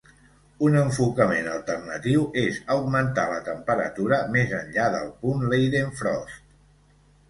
Un enfocament alternatiu és augmentar la temperatura més enllà del punt Leidenfrost.